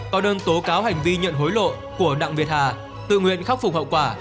có đơn tố cáo hành vi nhận hối lộ của đặng việt hà tự nguyện khắc phục hậu quả